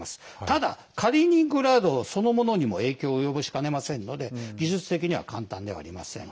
ただ、カリーニングラードそのものにも影響を及ぼしかねませんので技術的には簡単ではありません。